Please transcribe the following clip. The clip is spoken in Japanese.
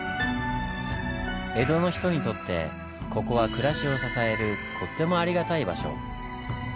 江戸の人にとってここは暮らしを支えるとってもありがたい場所。